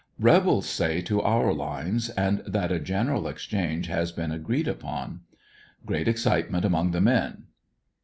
Rebels say to our lines, and that a general exchange has been agreed upon. Great excitement among the men.